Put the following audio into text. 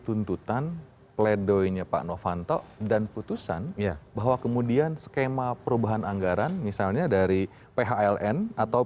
tuntutan pledoinya pak novanto dan putusan bahwa kemudian skema perubahan anggaran misalnya dari phln atau